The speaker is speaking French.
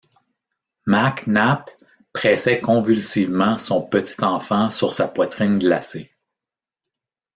Mac Nap pressait convulsivement son petit enfant sur sa poitrine glacée.